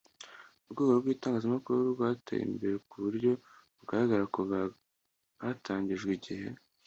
Urwego rw itangazamakuru rwateye imbere ku buryo bugaragara kuva hatangijwe igihe